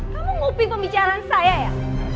kamu ngopi pembicaraan saya ya